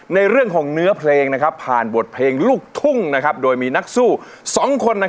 ในเรื่องของเนื้อเพลงผ่านบทเพลงลูกทุ่งโดยมีนักสู้๒คน